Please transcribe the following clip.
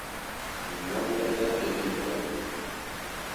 Di ñwablene e i ñkwade.